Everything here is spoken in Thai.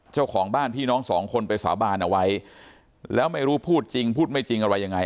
เจ้าของบ้านพี่น้องสองคนไปสาบานเอาไว้แล้วไม่รู้พูดจริงพูดไม่จริงอะไรยังไง